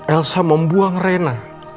elsa membuang rena